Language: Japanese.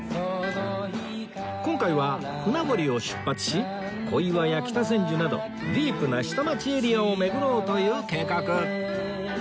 今回は船堀を出発し小岩や北千住などディープな下町エリアを巡ろうという計画